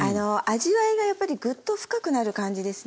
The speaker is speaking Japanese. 味わいがやっぱりぐっと深くなる感じですね